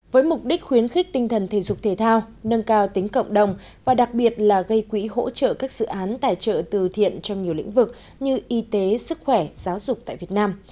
với mục đích khuyến khích tinh thần thể dục thể thao nâng cao tính cộng đồng và đặc biệt là gây quỹ hỗ trợ các dự án tài trợ từ thiện trong nhiều lĩnh vực như y tế sức khỏe giáo dục tại việt nam